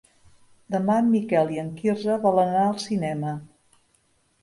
Demà en Miquel i en Quirze volen anar al cinema.